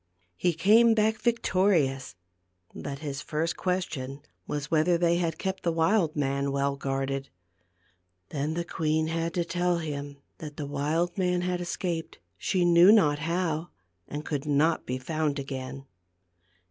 He came back victorious ; but his first ques tion was whether they had kept the wild man well guarded. Then the queen had to tell him that the wild man had es caped, she knew not how, and could not be found again.